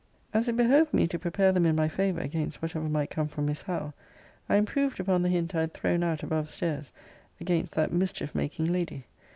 As it behoved me to prepare them in my favour against whatever might come from Miss Howe, I improved upon the hint I had thrown out above stairs against that mischief making lady.